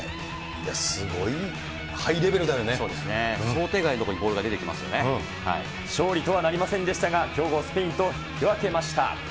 想定外の所にボ勝利とはなりませんでしたが、強豪、スペインと引き分けました。